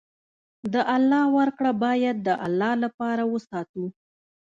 د الله ورکړه باید د الله لپاره وساتو.